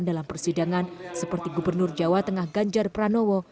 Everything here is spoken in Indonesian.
dalam persidangan seperti gubernur jawa tengah ganjar pranowo